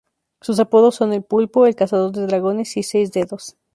Sus apodos son "El Pulpo", "El cazador de dragones", y "Seis-dedos".